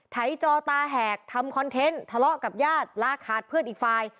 ไจจอตาแหกทำคอนเทนต์ทะเลาะกับญาติลาขาดเพื่อนอีกฝ่าย